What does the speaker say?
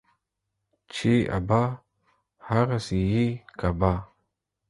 چي ابا ، هغه سي يې کبا.